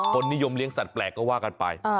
คนนิยมเลี้ยสัตวแปลกก็ว่ากันไป